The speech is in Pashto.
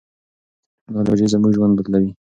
ټیکنالوژي زموږ ژوند بدلوي.